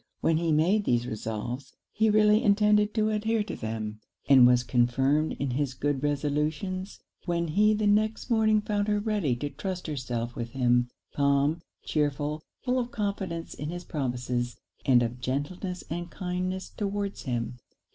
When he made these resolves, he really intended to adhere to them; and was confirmed in his good resolutions when he the next morning found her ready to trust herself with him, calm, chearful, full of confidence in his promises, and of gentleness and kindness towards him.